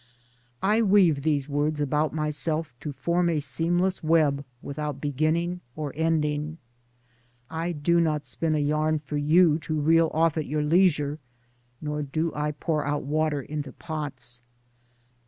I weave these words about myself to form a seamless web without beginning or ending. I do not spin a yarn for you to reel off at your leisure ; nor do I pour out water into pots.